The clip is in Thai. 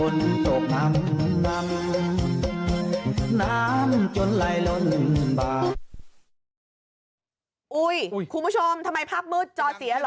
น้ำจนไหลล่นอุ้ยคุณผู้ชมทำไมภาพมืดจอเสียเหรอ